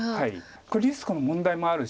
これリスクの問題もあるし